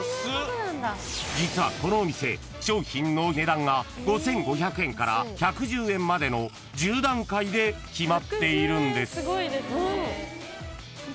［実はこのお店商品の値段が５，５００円から１１０円までの１０段階で決まっているんです］